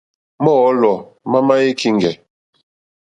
Mɔ́ɔ̌lɔ̀ má má í kíŋɡɛ̀.